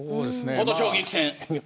琴奨菊戦。